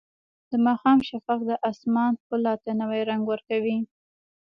د ماښام شفق د اسمان ښکلا ته نوی رنګ ورکوي.